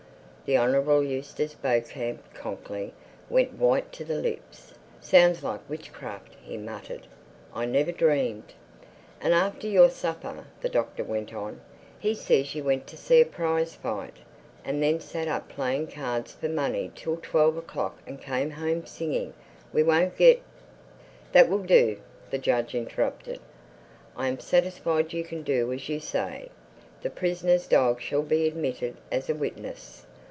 The Honorable Eustace Beauchamp Conckley went white to the lips. "Sounds like witchcraft," he muttered. "I never dreamed—" "And after your supper," the Doctor went on, "he says you went to see a prize fight and then sat up playing cards for money till twelve o'clock and came home singing, 'We won't get—'" "That will do," the judge interrupted, "I am satisfied you can do as you say. The prisoner's dog shall be admitted as a witness."